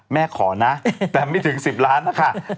แม่ขอนะแต่ไม่ถึง๑๐ล้านบาทนี่ค่ะ